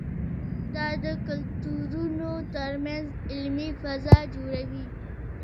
دا د کلتورونو ترمنځ علمي فضا جوړوي.